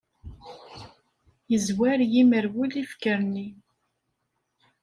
Yezwar yimerwel ifker-nni.